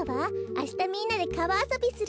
あしたみんなでかわあそびするの。